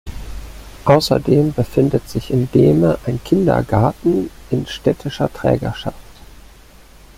Außerdem befindet sich in Dehme ein Kindergarten in städtischer Trägerschaft.